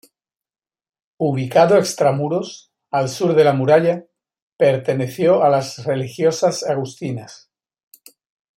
Ubicado extramuros, al sur de la muralla, perteneció a las religiosas agustinas.